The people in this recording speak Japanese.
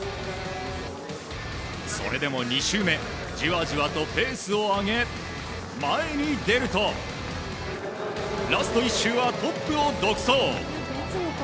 それでも２周目じわじわとペースを上げ前に出るとラスト１周はトップを独走。